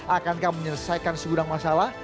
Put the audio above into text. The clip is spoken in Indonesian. akankah menyelesaikan segudang masalah